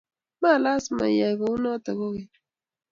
molasma iyaay kou noo kokeny